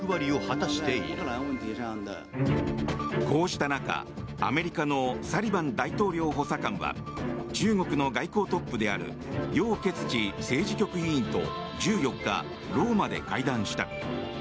こうした中、アメリカのサリバン大統領補佐官は中国の外交トップであるヨウ・ケツチ政治局委員と１４日、ローマで会談した。